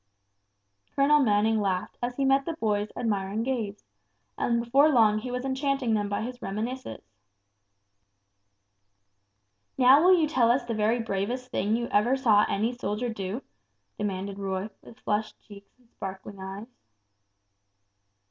Colonel Manning laughed as he met the boys' admiring gaze, and before long he was enchanting them by his reminiscences. "Now will you tell us the very bravest thing that you ever saw any soldier do?" demanded Roy, with flushed cheeks and sparkling eyes.